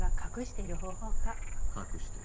隠してる？